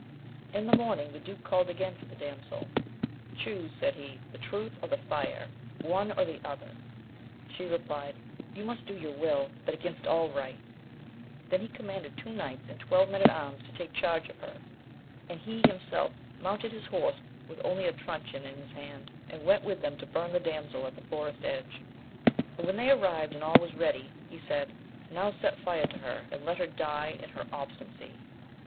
In the morning, the duke called again for the damsel ; Chuse, said he, the truth or the fire ! one or the other ! She replied, you must do your will, but against all right ! Then he commanded two knights and twelve men at arms to take charge of her, and he himself mounted his horse with only a truncheon in his hand, and went with them to burn the damsel at the forest edge ; and when they arrived and all was ready, he said, Now set fire to her, and let her die in her obsti nacy